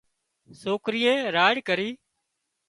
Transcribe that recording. سوڪرِيئي راڙ ڪرِي